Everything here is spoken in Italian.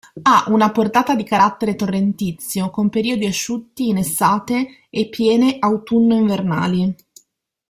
Ha una portata di carattere torrentizio, con periodi asciutti in estate e piene autunno-invernali.